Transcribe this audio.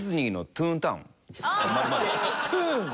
トゥーンね。